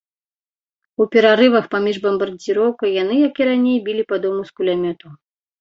У перарывах паміж бамбардзіроўкай яны, як і раней, білі па дому з кулямётаў.